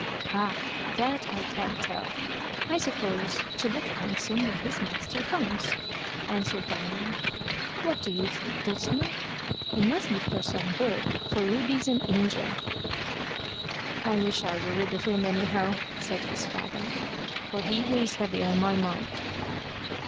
"Ah! that I can't tell. I suppose to look handsome when his master comes," answered Diamond. "What do you think, Dulcimer? It must be for some good, for Ruby's an angel." "I wish I were rid of him, anyhow," said his father; "for he weighs heavy on my mind."